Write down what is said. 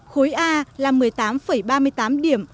khối a là một mươi tám ba mươi tám điểm